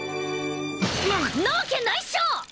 んなわけないっしょ！